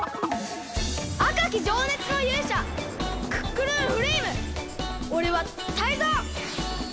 あかきじょうねつのゆうしゃクックルンフレイムおれはタイゾウ！